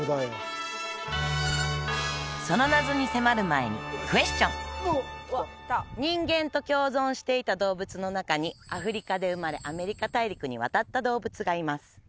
その謎に迫る前にクエスチョン人間と共存していた動物の中にアフリカで生まれアメリカ大陸に渡った動物がいます